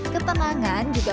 ketenangan juga pentingnya